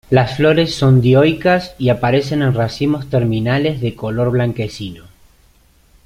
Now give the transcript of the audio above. Las flores son dioicas, y aparecen en racimos terminales de color blanquecino.